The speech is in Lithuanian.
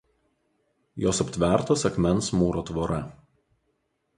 Jos aptvertos akmens mūro tvora.